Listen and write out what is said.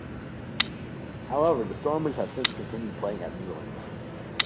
However, the Stormers have since continued playing at Newlands.